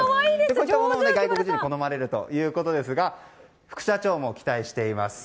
こういったものも外国人に好まれるということですが副社長も期待しています。